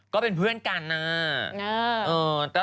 ก็เป็นเพื่อนกันนะ